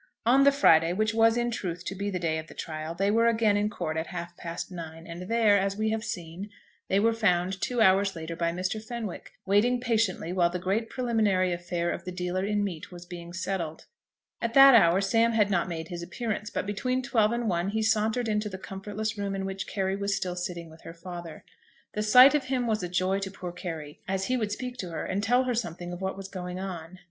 On the Friday, which was in truth to be the day of the trial, they were again in court at half past nine; and there, as we have seen, they were found, two hours later, by Mr. Fenwick, waiting patiently while the great preliminary affair of the dealer in meat was being settled. At that hour Sam had not made his appearance; but between twelve and one he sauntered into the comfortless room in which Carry was still sitting with her father. The sight of him was a joy to poor Carry, as he would speak to her, and tell her something of what was going on.